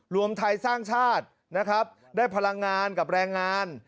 รวมไทยสร้างชาตินะครับได้พลังงานกับแรงงาน